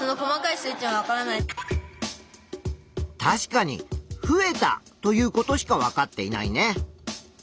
確かに増えたということしか分かっていないね。